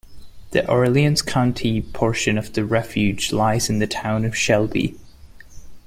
The Orleans County portion of the refuge lies in the town of Shelby.